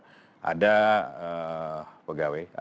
ada pegawai ada jaksa yang memiliki kewajiban melayani masyarakat